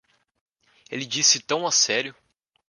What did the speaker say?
Ele disse tão a sério.